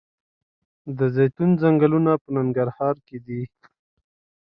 د زیتون ځنګلونه په ننګرهار کې دي؟